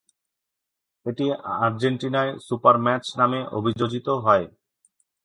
এটি আর্জেন্টিনায় "সুপারম্যাচ" নামে অভিযোজিত হয়।